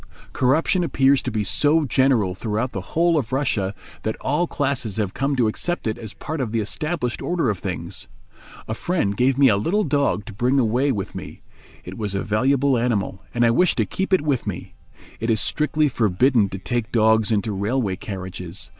Corruption appears to be so general throughout the whole of Russia that all classes have come to accept it as part of the established order of things. A friend gave me a little dog to bring away with me. It was a valuable animal, and I wished to keep it with me. It is strictly forbidden to take dogs into railway carriages.